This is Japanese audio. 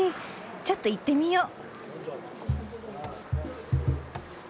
ちょっと行ってみよう。